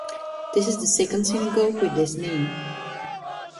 This is the second synagogue with this name.